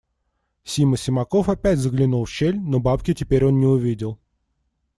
Сима Симаков опять заглянул в щель, но бабки теперь он не увидел.